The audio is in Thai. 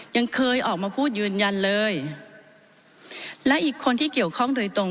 ยังเคยออกมาพูดยืนยันเลยและอีกคนที่เกี่ยวข้องโดยตรง